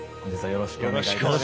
よろしくお願いします。